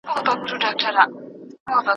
که مورنۍ ژبه وي، نو د زده کړې ګټې به ډېرې وي.